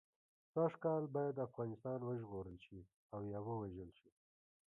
سږ کال باید افغانستان وژغورل شي او یا ووژل شي.